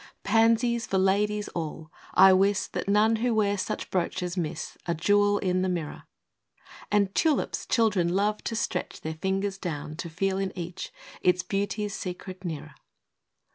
Pansies for ladies all! I wis That none who wear such brooches, miss A jewel in the mirror ; And tulips, children love to stretch Their fingers down, to feel in each Its beauty's secret nearer.